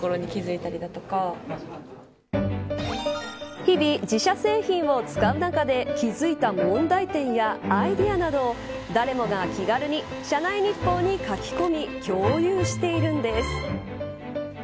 日々、自社製品を使う中で気付いた問題点やアイデアなどを誰もが気軽に社内日報に書き込み共有しているんです。